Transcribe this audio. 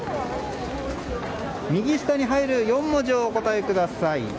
右下に入る４文字をお答えください。